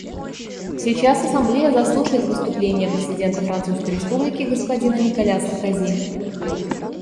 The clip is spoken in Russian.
Сейчас Ассамблея заслушает выступление президента Французской Республики господина Николя Саркози.